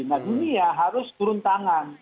nah dunia harus turun tangan